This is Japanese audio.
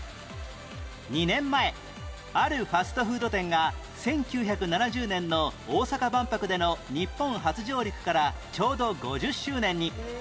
２年前あるファストフード店が１９７０年の大阪万博での日本初上陸からちょうど５０周年に